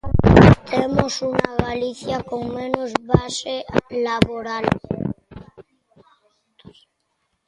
Temos unha Galicia con menos base laboral.